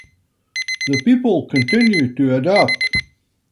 The people continued to adapt.